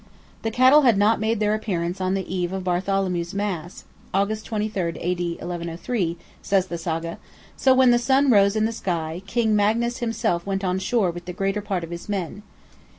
"The cattle had not made their appearance on the eve of Bartholomew's Mass" (August 23rd, A.D. 1103), says the Saga, so "when the sun rose in the sky, King Magnus himself went on shore with the greater part of his men.